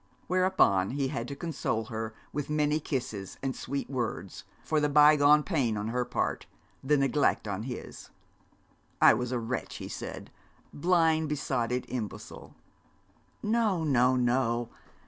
Whereupon he had to console her with many kisses and sweet words, for the bygone pain on her part, the neglect on his. 'I was a wretch,' he said, 'blind, besotted, imbecile.' 'No, no, no.